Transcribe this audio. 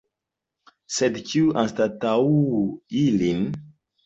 Sed kiuj anstataŭu ilin?